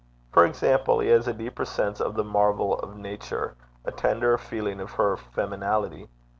For example, he has a deeper sense of the marvel of Nature, a tenderer feeling of her feminality.